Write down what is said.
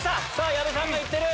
矢部さんがいってる！